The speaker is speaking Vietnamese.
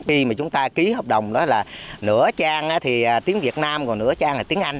khi mà chúng ta ký hợp đồng đó là nửa trang thì tiếng việt nam còn nửa trang là tiếng anh